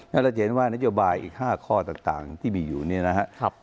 แล้วเราจะเห็นว่านโยบายอีก๕ข้อต่างที่มีอยู่เนี่ยนะครับ